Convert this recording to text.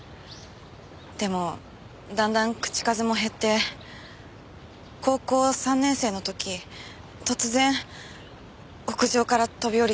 でもだんだん口数も減って高校３年生の時突然屋上から飛び降りたんです。